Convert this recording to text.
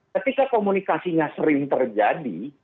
ketika komunikasinya sering terjadi